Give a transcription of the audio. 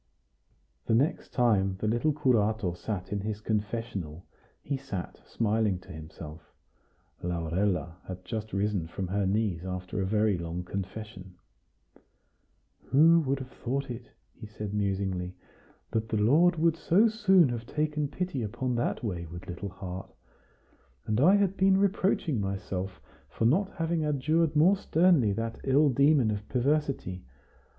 The next time the little curato sat in his confessional, he sat smiling to himself. Laurella had just risen from her knees after a very long confession. "Who would have thought it?" he said musingly "that the Lord would so soon have taken pity upon that wayward little heart? And I had been reproaching myself for not having adjured more sternly that ill demon of perversity.